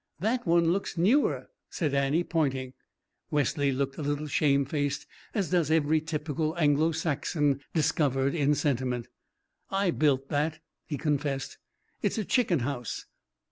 "That one looks newer," said Annie, pointing. Wesley looked a little shamefaced, as does every typical Anglo Saxon discovered in sentiment. "I built that," he confessed. "It's a chicken house.